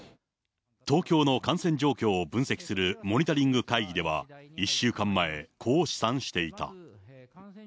東京の感染状況を分析するモニタリング会議では、１週間前、こう試算していた。